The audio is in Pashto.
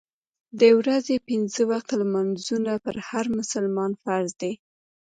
د ورځې پنځه وخته لمونځونه پر هر مسلمان فرض دي.